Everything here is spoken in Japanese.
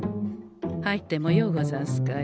入ってもようござんすかえ？